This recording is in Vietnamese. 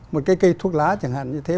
một cái cây thuốc lá chẳng hạn như thế